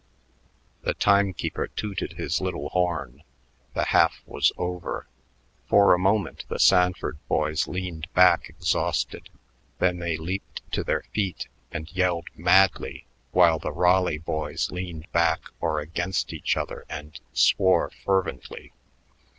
The timekeeper tooted his little horn; the half was over. For a moment the Sanford boys leaned back exhausted; then they leaped to their feet and yelled madly, while the Raleigh boys leaned back or against each other and swore fervently.